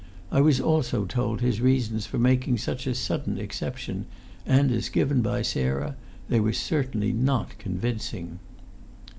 I was also told his reasons for making such a sudden exception, and as given by Sarah they were certainly not convincing.